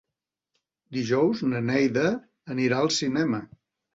Dijous na Neida anirà al cinema.